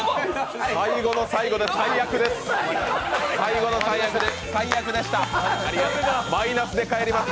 最後の最後で最悪です。